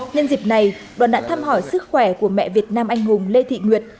nhân dịp này đoàn đã thăm hỏi sức khỏe của mẹ việt nam anh hùng lê thị nguyệt